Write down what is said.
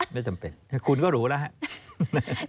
ไม่จำเป็นคุณก็รู้แล้วครับ